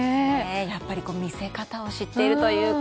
やっぱり見せ方を知っているというか